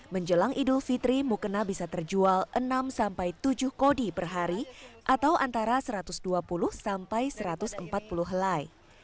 menjelang idul fitri mukena bisa terjual enam sampai tujuh kodi per hari atau antara satu ratus dua puluh sampai satu ratus empat puluh helai